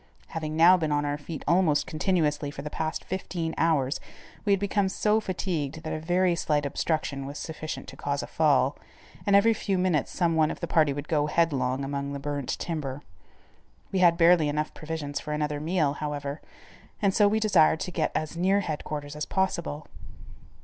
Having now been on our feet almost continuously for the past fifteen hours, we had become so fatigued that a very slight obstruction was sufficient to cause a fall, and every few minutes some one of the party would go headlong among the burnt timber. We had barely enough provisions for another meal, however, and so we desired to get as near headquarters as possible.